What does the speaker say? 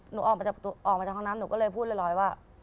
หนูออกมาจากข้างน้ำหนูก็เลยพูดเรียบร้อยว่า